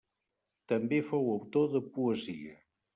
També fou autor de poesia.